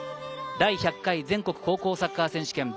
第１００回全国高校サッカー選手権